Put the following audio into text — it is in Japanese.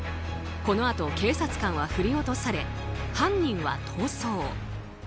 このあと、警察官は振り落とされ犯人は逃走。